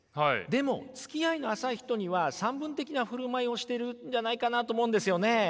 でもつきあいの浅い人には散文的な振る舞いをしてるんじゃないかなと思うんですよね。